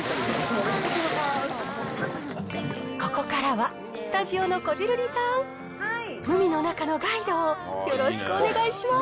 ここからはスタジオのこじるりさん、海の中のガイドをよろしくお願いします。